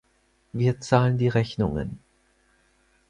Wir zahlen die Rechnungen.